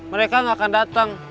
mereka gak akan datang